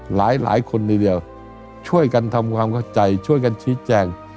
หลายคนทีเดียวช่วยกันทำความเข้าใจช่วยกันชี้แจง